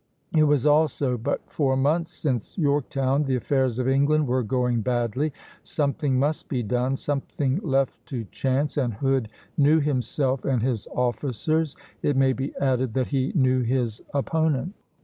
It was also but four months since Yorktown; the affairs of England were going badly; something must be done, something left to chance, and Hood knew himself and his officers. It may be added that he knew his opponent.